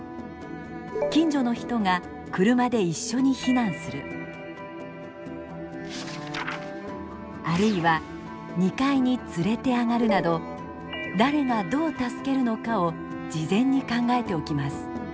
近所の人が車で一緒に避難するあるいは２階に連れて上がるなど誰がどう助けるのかを事前に考えておきます。